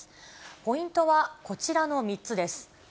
ポイントはこちらの３つです。